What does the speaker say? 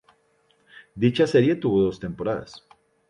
Dicha serie tuvo dos temporadas.